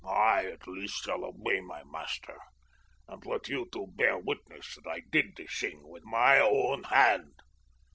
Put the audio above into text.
I, at least, shall obey my master, and let you two bear witness that I did the thing with my own hand."